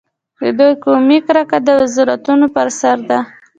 د دوی قومي کرکه د وزارتونو پر سر ده.